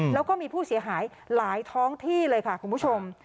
แล้วก็มีผู้เสียหายหลายท้องที่เลยค่ะคุณผู้ชม